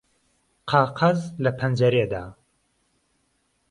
قاقەز له پهنجهرێدا